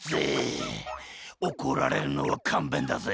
おこられるのはかんべんだぜ。